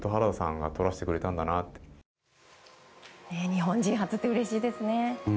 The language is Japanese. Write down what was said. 日本人初ってうれしいですね。